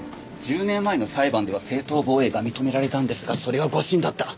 １０年前の裁判では正当防衛が認められたんですがそれは誤審だった。